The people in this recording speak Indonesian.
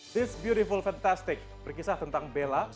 this beautiful fantastic berkisah tentang bella